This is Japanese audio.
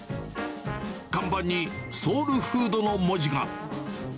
看板にソウルフードの文字が。